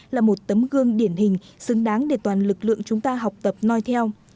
là một tấm gương điển hình xứng đáng để toàn lực lượng chúng ta học tập noi theo